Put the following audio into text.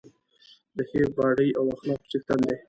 د ښې باډۍ او اخلاقو څښتن دی.